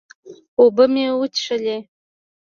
اوبۀ مې وڅښلې